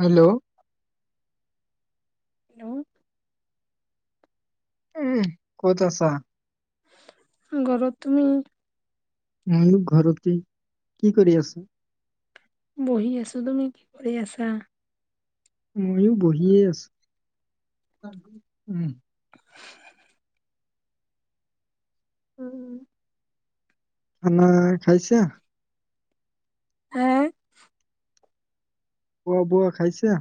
Hello hello উম ক'ত আছা ঘৰত তুমি ময়ু ঘৰতেই কি কৰি আছ বহি আছো তুমি কি কৰি আছা ময়ো বহিয়ে আছো উম খানা খাইছে হ খোৱা বোৱা খাইছে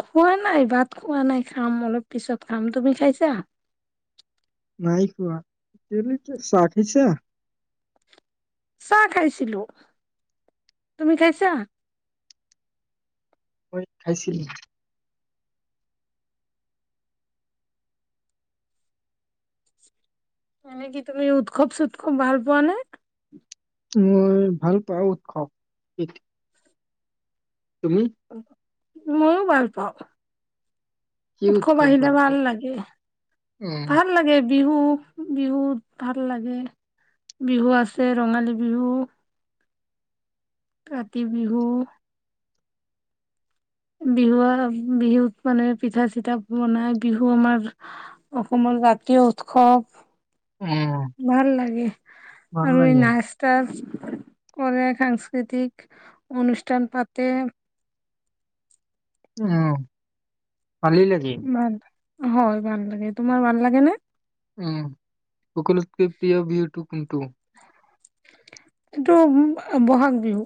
খোৱা নাই ভাত খোৱা নাই খাম অলপ পিছত খাম তুমি খাইছা নাই খোৱা তে ৰাখিছা চাহ খাইছিলো তুমি খাইছা ম খাইছিল এনে কি তুমি উৎসৱ চৎসৱ ভাল পোৱা নে মই ভাল পাওঁ উৎসৱ তুমি উম ভালপাও কি উৎসব উৎসৱ আহিলে ভাল পোৱা লাগে উম ভাল লাগে বিহু বিহুত ভাল লাগে বিহু আছে ৰঙালী বিহু কাতি বিহু বিহু বিহুত মানে পিঠা চিঠা বনাই বিহু আমাৰ অসমৰ জাতীয় উৎসৱ উম ভাল লাগে ভাল আৰু লাগে নাচ তাচ কৰে সাংস্কৃতিক অনুষ্ঠান পাতে আহ পালি নেকি ভাল হয় ভাল লাগে তোমাৰ ভাল লাগে নে উম সকলোতকৈ প্ৰিয় বিহুটো কোনটো এইটো বহাগ বিহু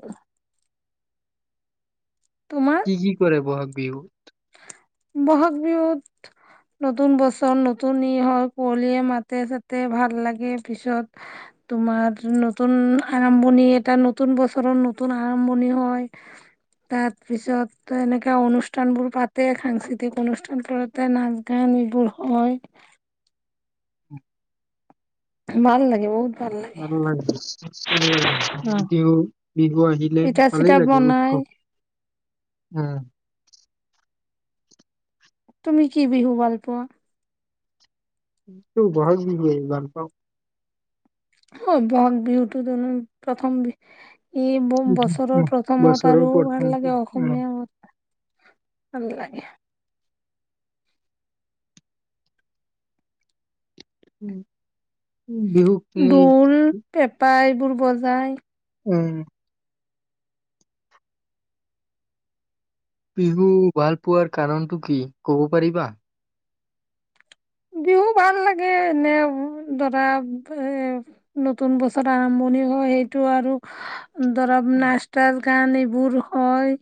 তোমাৰ কি কি কৰে বহাগ বিহু বহাগ বিহুত নতুন বছৰ নতুন ই হয় কুঁৱলিয়ীয়ে মাতে চাতে ভাল লাগে পিছত তোমাৰ নতুন আৰম্ভণি এটা নতুন বছৰৰ নতুন আৰম্ভণি হয় তাৰ পিছত এনেকা অনুষ্ঠান বোৰ পাতে সাংস্কৃতিক অনুষ্ঠান তলতে নাচ গান এইবোৰ হয় ভাল লাগে ঔ ভাল লাগে অ বিহু বিহু আহিলে পিঠা ভালেই চিঠা লাগে উৎসৱ বনাই উম তুমি কি বিহু ভালপোৱা টো বহাগ বিহু ভাল পাওঁ অ বহাগ বিহুতটো প্ৰথম বিহু এই উম, উম, বছৰৰ প্ৰথমত বছৰৰ আৰু ভাল প্ৰথমটো লাগে উম অসমীয়া ভাল লাগে উম বিহু কেই দুল বজায় উম বিহু ভাল পোৱাৰ কাৰণটো কি কব পাৰিবা বিহু ভাল লাগে এনে ধৰা এ নতুন বছৰ আৰম্ভণি হয় সেইটো আৰু দৰব নাস্তা গান এইবোৰ হয়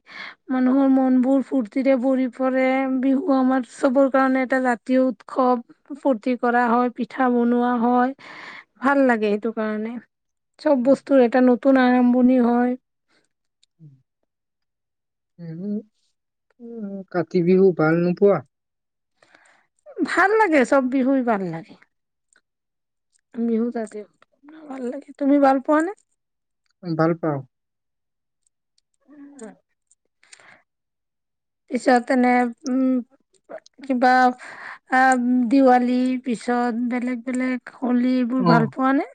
মানুহৰ মন বোৰ ফূুৰ্তিৰে ভৰি পৰে বিহু আমাৰ চবৰ কাৰণে এটা জাতীয় উৎস খুব ফূৰ্তি কৰা হয় পিঠা বনোৱা হয় ভাল লাগে সেইটো কাৰণে চব বস্তুৰ এটা নতুন নতুন আৰম্ভণি হয় উম [unintelligible] কাতি বিহু ভাল নোপোৱা ভাল লাগে চব বিহু ভাল লাগে বিহুত আজি ভাল লাগে তুমি ভাল পোৱাানে ভাল পাও পিছত এনে উম কিবা আহ দিৱালী পিছত বেলেগ বেলেগ কুলি এইবোৰ অ ভাল পোৱা নে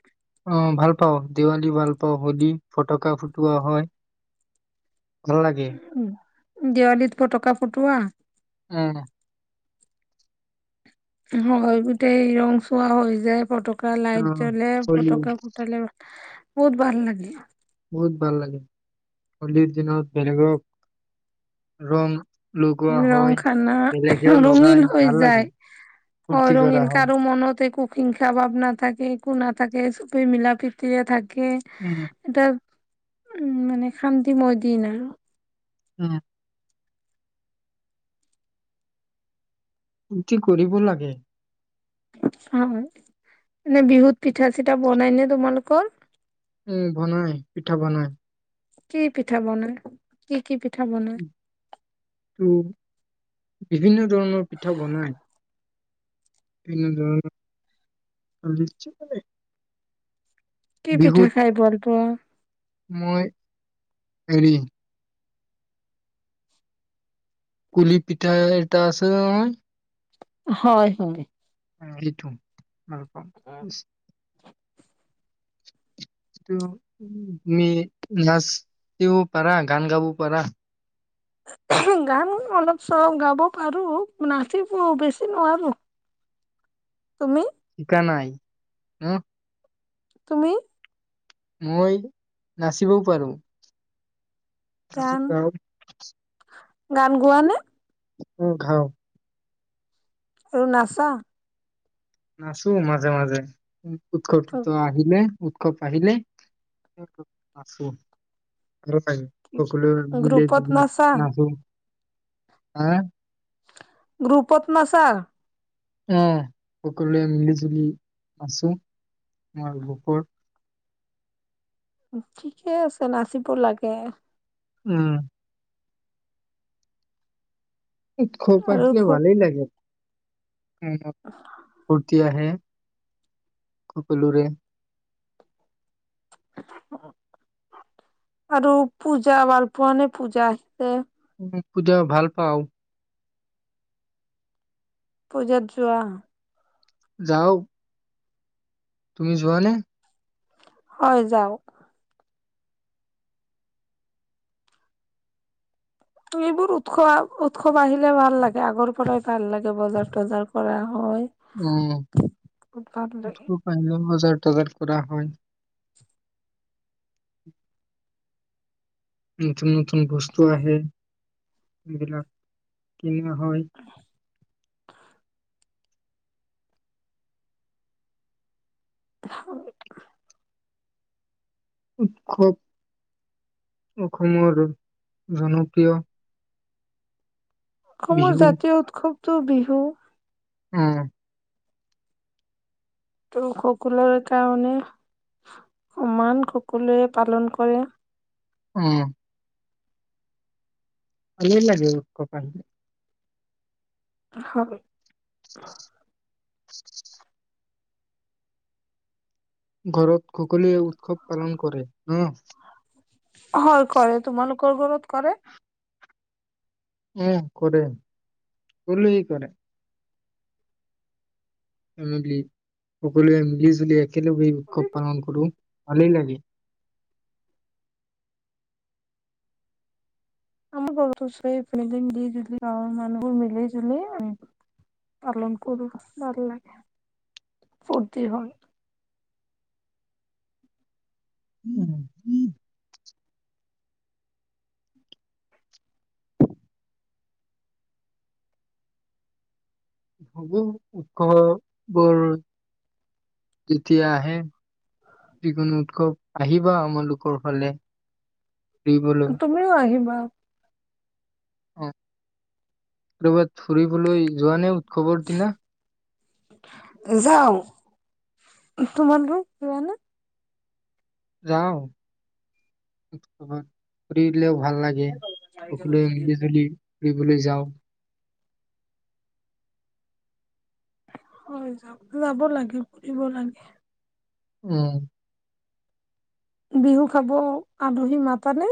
অ ভাল পাওঁ দেৱালী ভাল পাওঁ হলি ফটকা ফুটোৱা হয় ভাল লাগে দেৱালীত ফটকা ফুটোৱা উম হয় গোটেই ৰং চোৱা হৈ যায় পট কা অ লাইট জ্বলে হোলী ফতকা ফুটালে বহুত ভাল লাগে বহুত ভাল লাগে হোলীৰ দিনত বেলেগক ৰং লগোৱা ৰং হয়, খানা বেলেগেও লগাই ৰঙিন হৈ ভাল লাগে যায় অ ফূৰ্তি কৰা ৰঙিল হয়। কাৰো মনত একো হিংসা ভাৱ না থাকে একো না থাকে চবেই মিলা প্ৰীতিৰে থাকে উম, কে এটা উম মানে শান্তি ময়দিন আৰু অ কি কৰিব লাগে? অ', এনে বিহুত পিঠা চিঠা বনাই নে তোমালোকৰ? উম, বনাই পিঠা বনায়। কি পিঠা বনাই? কি কি কি পিঠা বনাই? কিন্তু বিভিন্ন ধৰণৰ পিঠা বনায়। এনে ধৰণৰ [unintelligible] কি পিঠা বিহুত খাই ভাল পোৱা? মই হেৰি কুলি পিঠা এটা আছে। হয় হয়। ইটো [unintelligible] তুমি নাচিব পাৰা গান গাব পাৰা? গান অলপ চলপ গাব পাৰো নাচিব বেছি নোৱাৰো, তুমি? শিকা নাই। তুমি? মই নাচিবও পাৰো গান [unintelligible] গান গোৱা নে? উম, ঘাওঁ আৰু নাছা নাচো মাজে, মাজে। উৎসৱ টোৎসব আহিলে। উৎসব আহিলে নাচো। আৰু [unintelligible] সকলো মিলি গ্ৰুপত জুলি নাচা? নাচো। আহ। গ্ৰুপত নাচা। আহ সকলোৱে মিলি জুলি নাছো। ঠিকে আছে নাচিব লাগে উম। উৎসৱ আৰু পাতিলে খুব ভালেই লাগে। ৰ্ফুটি আহে সকলোৰে আৰু পূজা ভাল পোৱা নে পূজা আহিছে। [unintelligible] ভাল পাও পূজাত যোৱা যাওঁ তুমি যোৱা নে? হয় যাওঁ এইবোৰ উৎস আহ উৎসৱ আহিলে ভাল লাগে আগৰ পৰাই ভাল লাগে বজাৰ থজাৰ কৰা হয় উম বহুত ভাল লাগে [unintelligible] বজাৰ জগাৰ কৰা হয় নতুন নতুন বস্তু আহে এইবিলাক কিনা হয় [inaudible] উৎসৱ অসমৰ জনপ্ৰিয় অসমৰ বিহু জাতীয় উৎসৱ কোনটো বিহু উম ত সকলোৰে কাৰণে সমান সকলোৱে পালন কৰে উম ভালে লাগে উৎসৱ [inaudible] হয় [inaudible] [unintelligible] ঘৰত সকলোৱে উৎসৱ পালন কৰে ন হয় কৰে তোমালোকৰ ঘৰত কৰে উ কৰে সোকলোৱেই কৰে [unintelligible] সকলোৱে মিলি জুলি তেলেগু উৎসৱ পালন কৰো ভালে লাগি আমাৰ ঘৰটো চবাই ইপিনেদ মিলি জুলি গাঁৱৰ মানুহোৰ মিলি জুলি আমি পালন কৰোঁ ভাল লাগে ফূৰ্তি হয় উম, সু উৎস বৰ যেতিয়া আহে যিকোনো উৎসৱ আহিবা আমালোকৰ ফালে ফুৰিবলৈ তুমিও আহিবা অ [unintelligible] ফুৰিবলৈ যোৱা নে উৎসৱৰ দিনা যাও তোমালোক যোৱা না যাওঁ ফ [unintelligible] ভাল লাগে সকলোৱে মিলি জুলি ফুৰিবলৈ যাওঁ হয় যাব লাগে ফুৰিব লাগে উম বিহু খাব আলহী মাতানে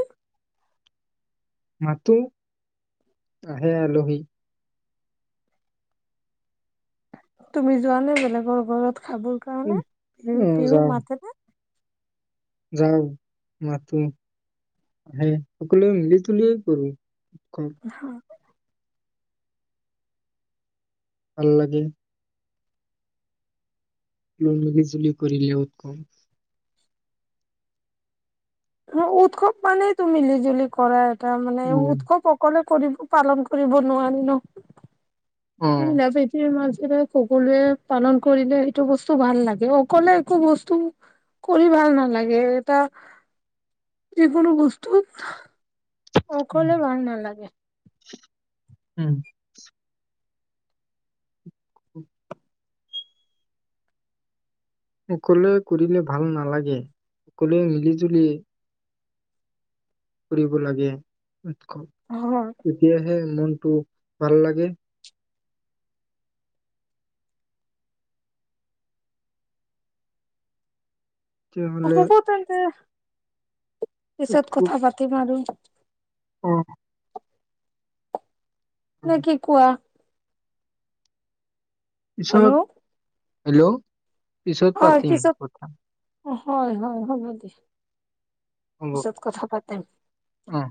মাতো আহে আলহী তুমি যোৱা নে বেলেগৰ ঘৰত খাবৰ কাৰণে উম, বিহু তিহু মাতেনে যাও মাতো আহে সকলোৱে মিলি তুলিয়েই কৰো উৎসৱ হ [inaudible] ভাল লাগে মিলি জুলি কৰিলে উৎসৱ উৎসৱ মানেই তো মিলি জুলি কৰাৰ এটা মানে উম, উৎসৱ অকলে কৰিব পালন কৰিব নোৱাৰি ন অ এ পতি ম [unintelligible] যে সকলোৱে পালন কৰিলে এইটো বস্তু ভাল লাগে অকলে একো বস্তু কৰি ভাল নালাগে এটা যিকোনো বস্তুত উম, অকলে ভাল নালাগে উম উম সকলোৱে কৰিলে ভাল নালাগে সকলোৱে মিলি জুলি কৰিব লাগে ক হয়, তেতিয়াহে মন টো ভাল লাগে অ তেতিয়াহ'লে হ'ব তেন্তে পিছত উৎসৱ কথা পাতিম আৰু অ নে কি কোৱা পিছত হেল্ল' হেল্ল' পিছত হয় পাতিম পিছত কথা হয় হয় হ'ব দে হ'ব পিছত কথা পাতিম অ